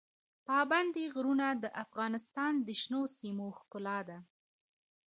پابندی غرونه د افغانستان د شنو سیمو ښکلا ده.